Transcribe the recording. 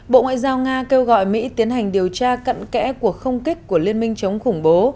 bộ ngoại giao nga kêu gọi mỹ tiến hành điều tra cận kẽ cuộc không kích của liên minh chống khủng bố